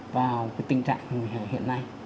vào tình trạng hiện nay